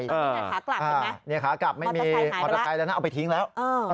ตอนนี้แต่ขากลับใช่ไหมมอเตอร์ไซค์หายแล้วครับนี่ขากลับไม่มีมอเตอร์ไซค์แล้วนะเอาไปทิ้งแล้ว